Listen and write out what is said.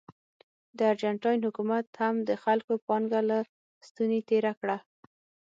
د ارجنټاین حکومت هم د خلکو پانګه له ستونې تېره کړه.